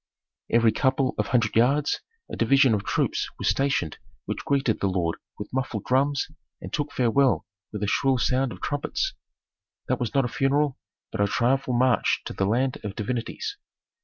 Every couple of hundred yards a division of troops was stationed which greeted the lord with muffled drums, and took farewell with a shrill sound of trumpets. That was not a funeral, but a triumphal march to the land of divinities.